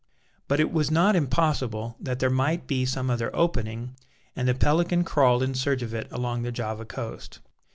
But it was not impossible that there might be some other opening, and the Pelican crawled in search of it along the Java coast.